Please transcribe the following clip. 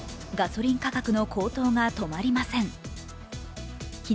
ガソリン価格の高騰が止まりません。